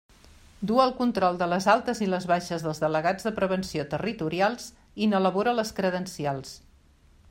Du el control de les altes i les baixes dels delegats de prevenció territorials i n'elabora les credencials.